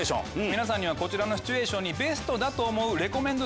皆さんにはこちらのシチュエーションにベストだと思うレコメンド